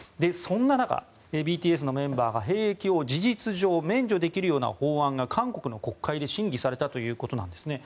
そんな中、ＢＴＳのメンバーが兵役を事実上免除できるような法案が韓国の国会で審議されたということです。